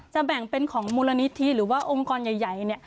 แบ่งเป็นของมูลนิธิหรือว่าองค์กรใหญ่